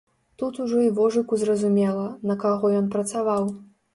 Тут ужо і вожыку зразумела, на каго ён працаваў.